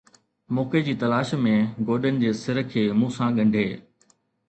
موقعي جي تلاش ۾ گوڏن جي سر کي مون سان ڳنڍي